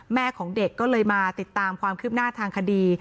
แม่ของเด็กก็เลยมาติดตามความคืบหน้าทางคดี